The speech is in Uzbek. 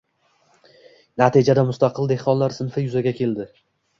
Natijada mustaqil dehqonlar sinfi yuzaga keldi